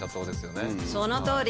そのとおり。